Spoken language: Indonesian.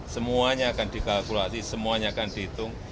semuanya akan dikalkulasi semuanya akan dihitung